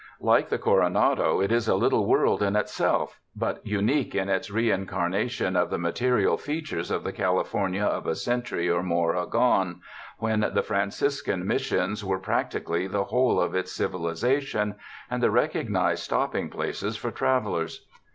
Like the Coronado, it is a little world in itself, but unique in its reincarna tion of the material features of the California of a century or more agone, when the Franciscan Mis sions were practically the whole of its civilization and the recognized stopping places for travelers.